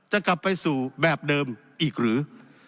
จะกลับไปสู่แบบเดิมอีกหรือ